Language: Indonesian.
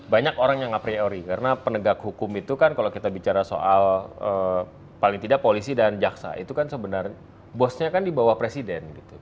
banyak orang yang a priori karena penegak hukum itu kan kalau kita bicara soal paling tidak polisi dan jaksa itu kan sebenarnya bosnya kan di bawah presiden